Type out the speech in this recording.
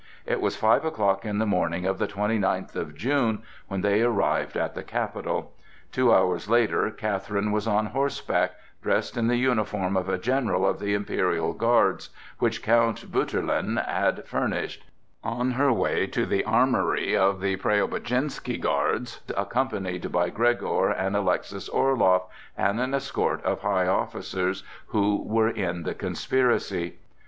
It was five o'clock in the morning of the twenty ninth of June when they arrived at the capital. Two hours later Catherine was on horseback, dressed in the uniform of a general of the imperial guards, which Count Buturlin had furnished, on her way to the armory of the Preobrajenski guards, accompanied by Gregor and Alexis Orloff, and an escort of high officers who were in the conspiracy.